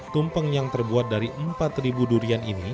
tumpeng yang terbuat dari empat durian ini